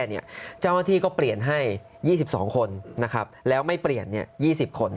เจ้าหน้าที่ก็เปลี่ยนให้๒๒คนแล้วไม่เปลี่ยน๒๐คน